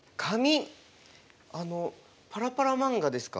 あのパラパラマンガですか？